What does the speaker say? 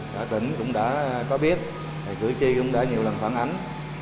cũng đã có biết cử tri cũng đã nhiều lần phản ánh